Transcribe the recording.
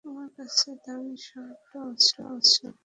আমার কাছে দামী শার্টও আছে।